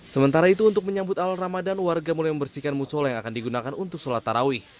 sementara itu untuk menyambut alam ramadan warga mulai membersihkan musola yang akan digunakan untuk sholat tarawih